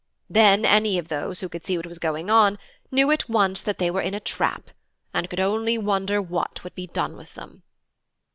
Then any of those who could see what was going on, knew at once that they were in a trap, and could only wonder what would be done with them.